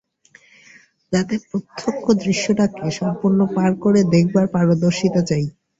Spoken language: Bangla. তাতে প্রত্যক্ষ দৃশ্যটাকে সম্পূর্ণ পার করে দেখবার পারদর্শিতা চাই।